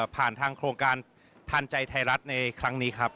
ผ่านโครงการนี้ค่ะทานใจไทยรัฐค่ะ